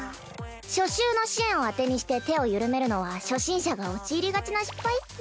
初週の支援を当てにして手を緩めるのは初心者が陥りがちな失敗っス。